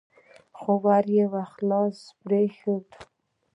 خو ور يې خلاص پرېښود.